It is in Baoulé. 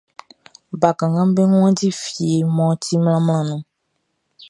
Bakannganʼm be wanndi fie mʼɔ ti mlanmlanmlanʼn nun.